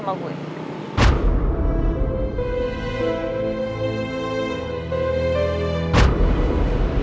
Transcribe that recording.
heria bukan ini emang